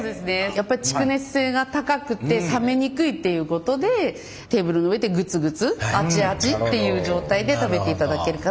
やっぱり蓄熱性が高くて冷めにくいっていうことでテーブルの上でグツグツアチアチっていう状態で食べていただけるかな。